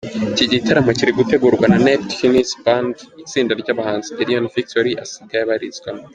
Iki gitaramo kiri gutegurwa na Neptunez Ban, itsinda ry’abahanzi Elion Victory asigaye abarizwamo.